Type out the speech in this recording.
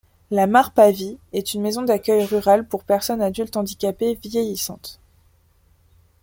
La marpahvie est une maison d’accueil rurale pour personnes adultes handicapées vieillissantes.